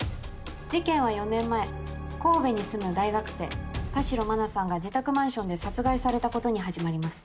事件は４年前神戸に住む大学生田代真菜さんが自宅マンションで殺害されたことに始まります。